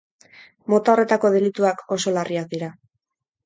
Mota horretako delituak oso larriak dira.